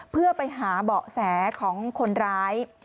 เพื่อไปหาเบาะแสของคนร้าย